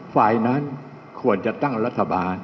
ฝ่ายนั้นควรจะตั้งรัฐบาล